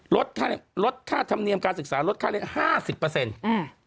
ลดค่าธรรมเนียมการศึกษาลดค่าเรียกห้าสิบเปอร์เซ็นต์อืม